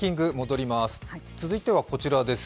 続いては、こちらです。